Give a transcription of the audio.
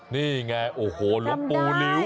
นี่ไงโอ้โฮลมปูริว